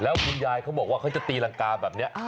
แล้วคุณยายเขาบอกว่าเขาจะตีรังกาแบบนี้